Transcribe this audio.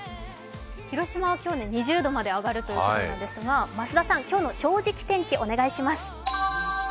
広島は今日、２０度まで上がるということなんですが増田さん、今日の「正直天気」お願いします。